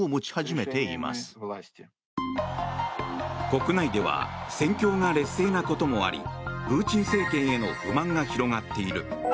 国内では戦況が劣勢なこともありプーチン政権への不満が広がっている。